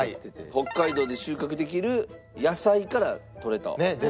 北海道で収穫できる野菜から取れたお砂糖。